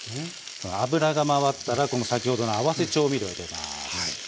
脂が回ったらこの先ほどの合わせ調味料を入れます。